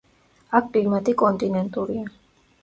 აქ კლიმატი კონტინენტურია.